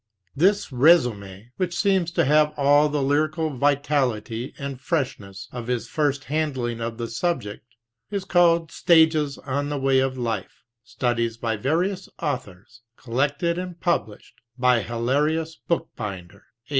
This resume, which seems to have all the lyrical vitality and freshness of his first handling of the subject, is called Stages on the Way of Life, studies by various authors, collected and published by Hilarius Bookbinder (1845).